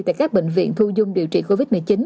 tại các bệnh viện thu dung điều trị covid một mươi chín